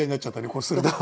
こうすると。